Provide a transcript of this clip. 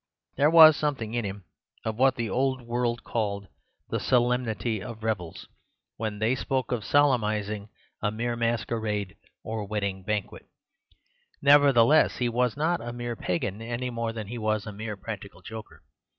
"There was something in him of what the old world called the solemnity of revels—when they spoke of 'solemnizing' a mere masquerade or wedding banquet. Nevertheless he was not a mere pagan any more than he was a mere practical joker.